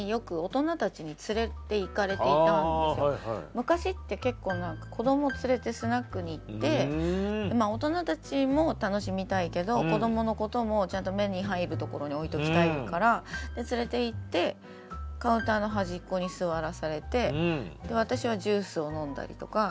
昔って結構子ども連れてスナックに行って大人たちも楽しみたいけど子どものこともちゃんと目に入るところに置いておきたいから連れて行ってカウンターの端っこに座らされて私はジュースを飲んだりとか。